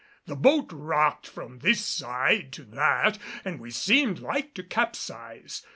The boat rocked from this side to that, and we seemed like to capsize.